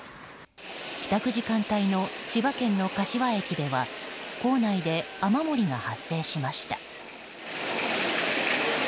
帰宅時間帯の千葉県の柏駅では構内で雨漏りが発生しました。